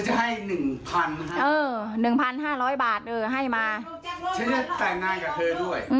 จะแก่งงานกับเธอด้วย